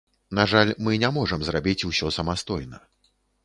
На жаль, мы не можам зрабіць усё самастойна.